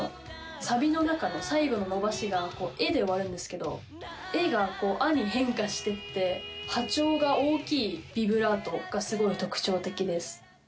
サビの中の最後の伸ばしが「エ」で終わるんですけど「エ」が「ア」に変化していって波長が大きいビブラートがすごい特徴的です。